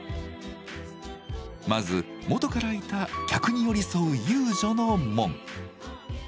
まず元からいた客に寄り添う遊女の紋。